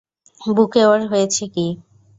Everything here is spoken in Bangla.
বুকে ওর হয়েছে কী?